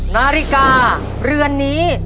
นาฬิกาเรือนนี้